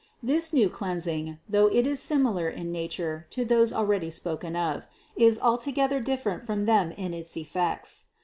This new cleansing, though it is similar in nature to those already spoken of, is altogether different from them in its effects.